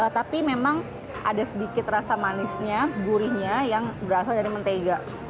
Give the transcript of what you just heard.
tapi memang ada sedikit rasa manisnya gurihnya yang berasal dari mentega